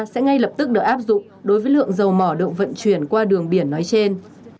sẽ ngay lập tức được áp dụng đối với lượng dầu mỏ được vận chuyển qua đường biển nói trên